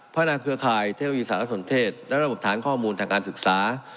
นาเครือข่ายเทคโนโลยีสารสนเทศและระบบฐานข้อมูลทางการศึกษา